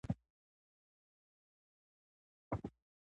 د کلیسا دیني رهبرانو په ظلم لاس پوري کول پېل کړل.